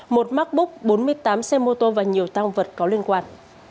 một macbook bốn mươi tám xe mô tô và nhiều tăng vật có liên quan